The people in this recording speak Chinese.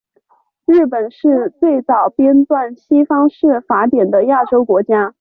日本是最早编纂西方式法典的亚洲国家。